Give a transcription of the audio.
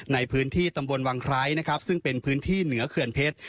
ในพื้นที่ตำบลวังไคร้นะครับซึ่งเป็นพื้นที่เหนือเขื่อนเพชร